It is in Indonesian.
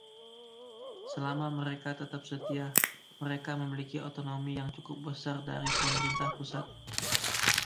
Selama mereka tetap setia, mereka memiliki otonomi yang cukup besar dari pemerintah pusat.